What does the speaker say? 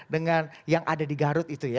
dengan yang ada di garut